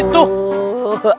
aduh aduh aduh